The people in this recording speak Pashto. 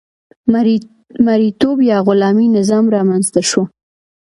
مرئیتوب یا غلامي نظام رامنځته شو.